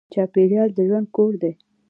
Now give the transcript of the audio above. چاپېریال د ژوند کور دی.